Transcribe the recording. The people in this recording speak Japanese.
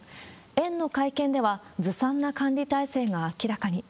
園の会見では、ずさんな管理体制が明らかに。